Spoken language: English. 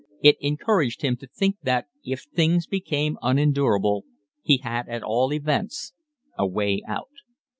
It encouraged him to think that, if things became unendurable, he had at all events a way out.